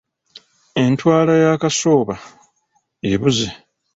Entwala ya Kasooba ebuze.